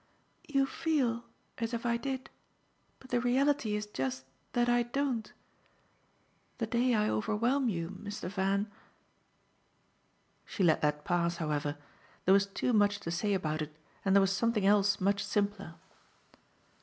"You 'feel' as if I did but the reality is just that I don't. The day I overwhelm you, Mr. Van !" She let that pass, however; there was too much to say about it and there was something else much simpler.